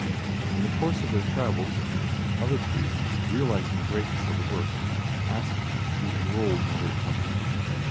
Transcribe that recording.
In the course of their travels other priests, realizing the greatness of the work, asked to be enrolled in the little company.